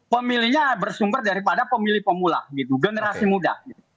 pemilihnya bersumber daripada pemilih pemula gitu generasi muda